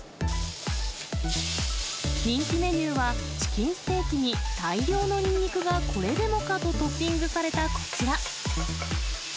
人気メニューはチキンステーキに大量のニンニクがこれでもかとトッピングされたこちら。